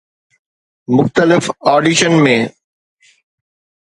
مختلف آڊيشن ۾